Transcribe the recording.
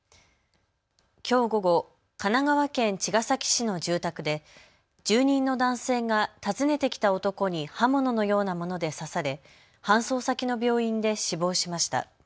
きょう午後、神奈川県茅ヶ崎市の住宅で住人の男性が訪ねてきた男に刃物のようなもので刺され搬送先の病院で死亡しました。